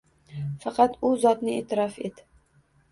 Faqat U Zotni eʼtirof et